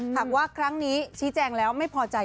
หากว่าครั้งนี้ชี้แจงแล้วไม่พอใจ